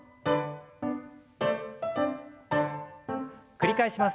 繰り返します。